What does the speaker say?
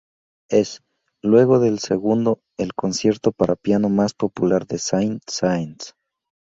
Es, luego del segundo, el concierto para piano más popular de Saint-Saëns.